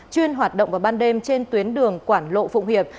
chuyên hoạt động vào ban đêm trên tuyến đường quảng lộ phụng hiệp